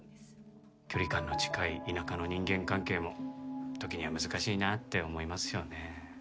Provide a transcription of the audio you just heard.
距離感の近い田舎の人間関係も時には難しいなって思いますよね。